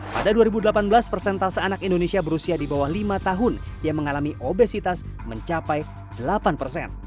pada dua ribu delapan belas persentase anak indonesia berusia di bawah lima tahun yang mengalami obesitas mencapai delapan persen